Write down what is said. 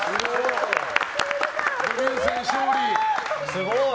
すごい。